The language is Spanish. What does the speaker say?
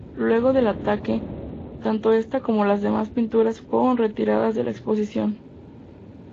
Luego del ataque, tanto esta como las demás pinturas fueron retiradas de la exposición.